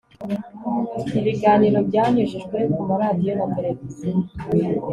ibiganiro byanyujijwe ku maradiyo na televiziyo